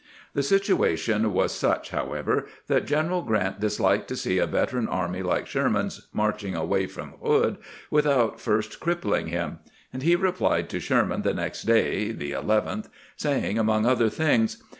The situation was such, however, that General Grant disliked to see a veteran army like Sherman's marching away from Hood without first crippling him ; and he replied to Sherman the next day (the 11th), saying, among other things